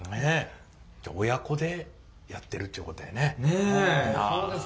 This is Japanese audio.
じゃあ親子でやってるっていうことやね。